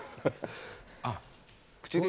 あっ口で。